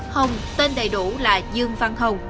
hồng tên đầy đủ là dương văn hồng